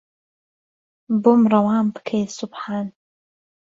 بۆم ڕەوان پکەی سوبحان